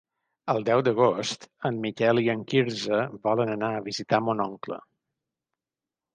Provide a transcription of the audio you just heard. El deu d'agost en Miquel i en Quirze volen anar a visitar mon oncle.